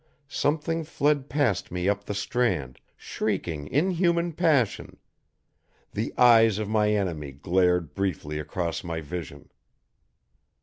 Something fled past me up the strand, shrieking inhuman passion; the Eyes of my enemy glared briefly across my vision.